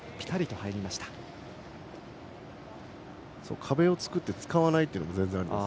壁を作って使わないというのもありです。